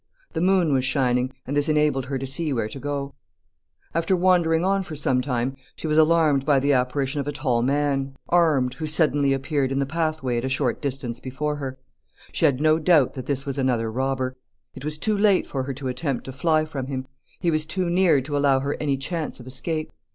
The moon was shining, and this enabled her to see where to go. [Sidenote: A stranger appears.] After wandering on for some time, she was alarmed by the apparition of a tall man, armed, who suddenly appeared in the pathway at a short distance before her. She had no doubt that this was another robber. It was too late for her to attempt to fly from him. He was too near to allow her any chance of escape.